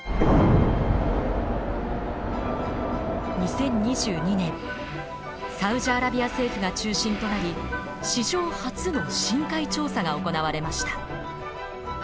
２０２２年サウジアラビア政府が中心となり史上初の深海調査が行われました。